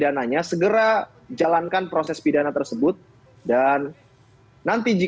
ada yang mengganti